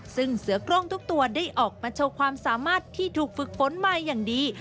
ซึ่งเสือกล้องทุกตัวได้ออกมาโชว์ความสามารถที่ถูกฝึกฝนมาอย่างดี